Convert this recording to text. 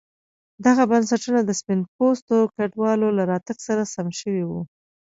دغه بنسټونه د سپین پوستو کډوالو له راتګ سره سم جوړ شوي وو.